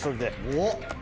おっ。